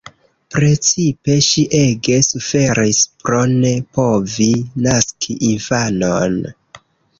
Precipe ŝi ege suferis pro ne povi naski infanon.